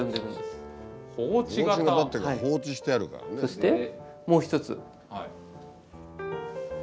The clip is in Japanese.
そしてもう一つ。